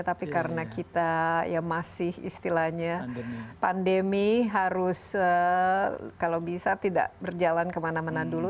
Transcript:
tapi karena kita ya masih istilahnya pandemi harus kalau bisa tidak berjalan kemana mana dulu